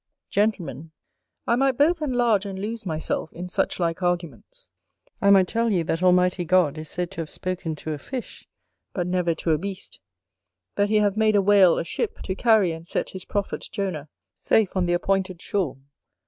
Gentlemen, I might both enlarge and lose myself in such like arguments. I might tell you that Almighty God is said to have spoken to a fish, but never to a beast; that he hath made a whale a ship, to carry and set his prophet, Jonah, safe on the appointed shore.